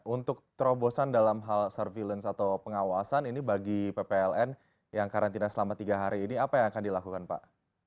untuk terobosan dalam hal surveillance atau pengawasan ini bagi ppln yang karantina selama tiga hari ini apa yang akan dilakukan pak